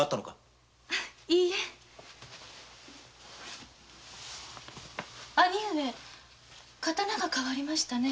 いいえ兄上刀が変わりましたね